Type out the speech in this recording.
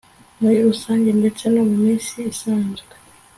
muri rusange ndetse no muminsi isanzwe